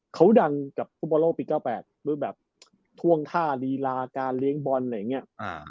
เขาดังกับภูมิประโยชน์ปี๙๘เพราะแบบท่วงท่าฬีราการเลี้ยงบอลอะไรอย่างเงี้ย